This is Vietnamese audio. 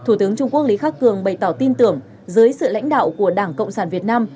thủ tướng trung quốc lý khắc cường bày tỏ tin tưởng dưới sự lãnh đạo của đảng cộng sản việt nam